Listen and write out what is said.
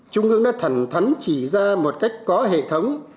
trung ương đã thẳng thắn chỉ ra một cách có hệ thống